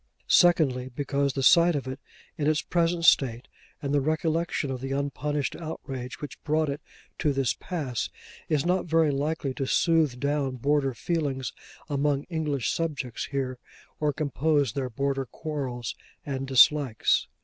Secondly, because the sight of it in its present state, and the recollection of the unpunished outrage which brought it to this pass, is not very likely to soothe down border feelings among English subjects here, or compose their border quarrels and dislikes.